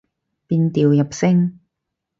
變調入聲